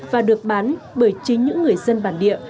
và được bán bởi chính những người dân bản địa